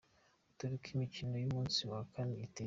Dore uko imikino y’umunsi wa kane iteye:.